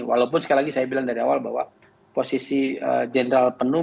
walaupun sekali lagi saya bilang dari awal bahwa posisi jenderal penuh